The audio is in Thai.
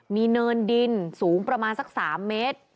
มีเนินดินสูงประมาณสัก๓เมตร